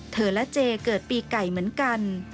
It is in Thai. และเจเกิดปีไก่เหมือนกัน